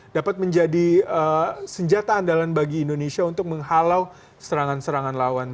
dapat menjadi senjata andalan bagi indonesia untuk menghalau serangan serangan lawan